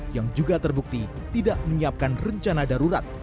yang juga terbukti tidak menyiapkan rencana darurat